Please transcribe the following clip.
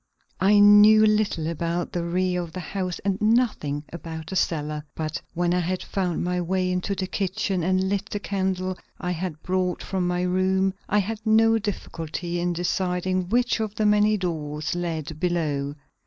I knew little about the rear of the house and nothing about the cellar. But when I had found my way into the kitchen and lit the candle I had brought from my room, I had no difficulty in deciding which of the many doors led below.